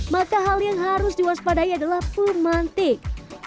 maka hal yang harus diwaspadai adalah pemantik